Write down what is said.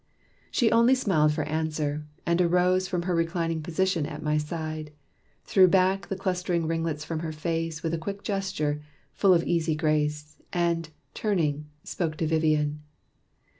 She only smiled for answer, and arose From her reclining posture at my side, Threw back the clust'ring ringlets from her face With a quick gesture, full of easy grace, And, turning, spoke to Vivian.